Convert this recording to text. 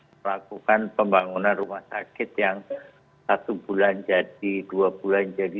melakukan pembangunan rumah sakit yang satu bulan jadi dua bulan jadi